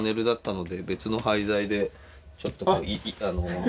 ちょっとこう板の。